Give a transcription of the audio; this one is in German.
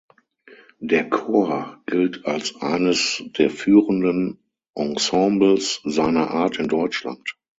Der Chor gilt als eines der führenden Ensembles seiner Art in Deutschland.